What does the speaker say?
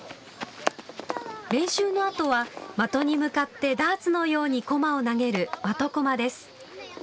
練習のあとは的に向かってダーツのようにこまを投げる的こまです。